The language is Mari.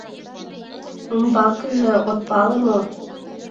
— Умбакыже от пале мо?